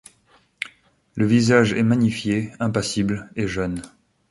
Le visage est magnifié, impassible et jeune.